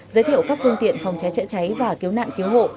giới thiệu các phương tiện phòng cháy chữa cháy và cứu nạn cứu hộ